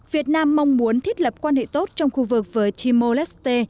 việt nam mong muốn thiết lập quan hệ tốt trong khu vực với chimoleste